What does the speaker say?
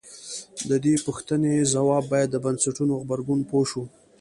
د دې پوښتنې ځواب باید د بنسټونو غبرګون پوه شو.